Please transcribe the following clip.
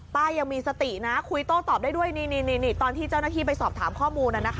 ป้ายังมีสตินะคุยโต้ตอบได้ด้วยนี่ตอนที่เจ้าหน้าที่ไปสอบถามข้อมูล